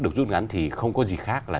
được rút ngắn thì không có gì khác là